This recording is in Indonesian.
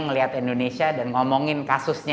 ngelihat indonesia dan ngomongin kasusnya